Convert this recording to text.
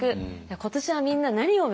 「今年はみんな何を目指す？」